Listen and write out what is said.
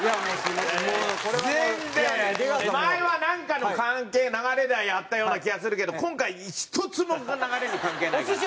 前はなんかの関係流れではやったような気はするけど今回１つも流れに関係ないから。